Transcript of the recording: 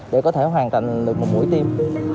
để có thể hoàn thành được một mũi tim